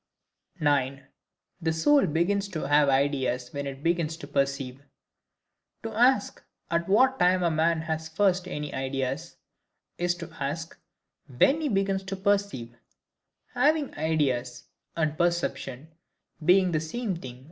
9. The Soul begins to have Ideas when it begins to perceive. To ask, at what TIME a man has first any ideas, is to ask, when he begins to perceive;—HAVING IDEAS, and PERCEPTION, being the same thing.